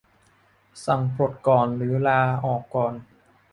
สั่งปลดก่อนหรือลาออกก่อน